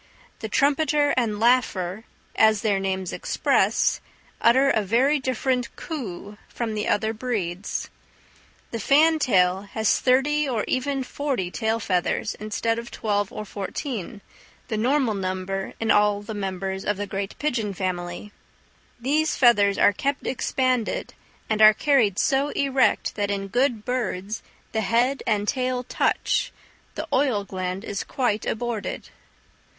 The trumpeter and laugher, as their names express, utter a very different coo from the other breeds. The fantail has thirty or even forty tail feathers, instead of twelve or fourteen, the normal number in all the members of the great pigeon family: these feathers are kept expanded and are carried so erect that in good birds the head and tail touch: the oil gland is quite aborted.